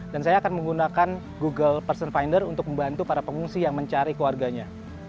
saya akan menggunakan google person finder untuk membantu para pengungsi yang mencari keluarganya